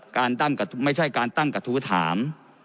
ไม่ใช่การตั้งกระทู้ถาม